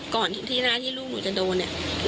ก่อนที่หน้าที่ลูกหนูจะโดนเนี่ย